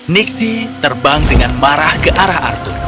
nixis terbang dengan marah ke arah arthur